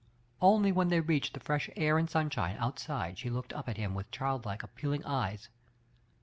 Only when they reached the fresh air and sunshine outside she looked up at him with childlike, appealing eyes.